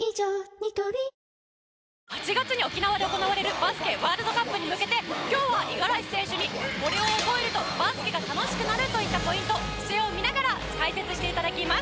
ニトリ８月に沖縄で行われるバスケワールドカップに向けて今日は五十嵐選手にこれを覚えるとバスケが楽しくなるといったポイントを試合を見ながら解説して頂きます。